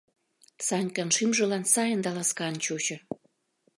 Санькан шӱмжылан сайын да ласкан чучо.